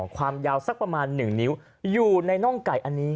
ความยาวสักประมาณ๑นิ้วอยู่ในน่องไก่อันนี้